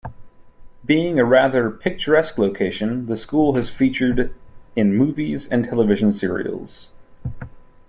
Being a rather picturesque location, the school has featured in movies and television serials.